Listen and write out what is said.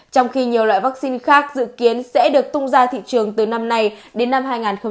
trong khi nhiều loại vaccine khác dự kiến sẽ được tung ra thị trường từ năm nay đến năm hai nghìn hai mươi